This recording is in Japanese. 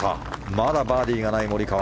まだバーディーがないモリカワ。